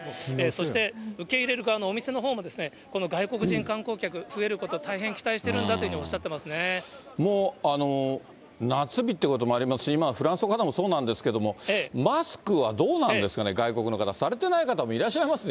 そして受け入れる側のお店のほうも、この外国人観光客増えることは大変期待してるんだっておっしゃっ夏日っていうこともありますし、今フランスの方もそうなんですけども、マスクはどうなんですかね、外国の方、されてない方もいらっしゃいます？